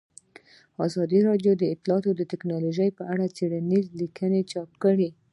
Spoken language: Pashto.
ازادي راډیو د اطلاعاتی تکنالوژي په اړه څېړنیزې لیکنې چاپ کړي.